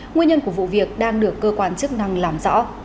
nguyên nhân của vụ việc đang được cơ quan chức năng làm rõ